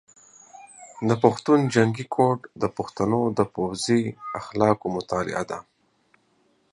د پښتون جنګي کوډ د پښتنو د پوځي اخلاقو مطالعه ده.